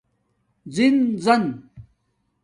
زِن زَن